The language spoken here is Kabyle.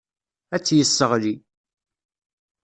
Ad tt-yesseɣli.